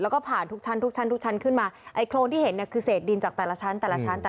ก็อาจจะอันตราย